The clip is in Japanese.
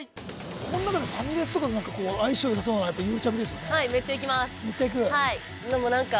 この中でファミレスとか相性よさそうなのはやっぱゆうちゃみですね